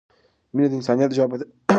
مینه د انسانیت ژبه ده.